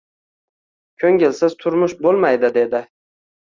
Ko‘ngilsiz turmush bo‘lmaydi dedi.